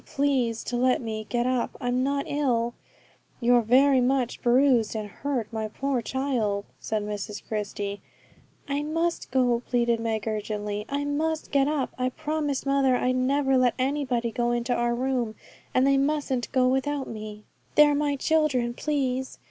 Please to let me get up. I'm not ill.' 'You're very much bruised and hurt, my poor child,' said Mrs Christie. 'I must go,' pleaded Meg urgently, 'I must get up, I promised mother I'd never let anybody go into our room, and they mustn't go without me. They're my children, please.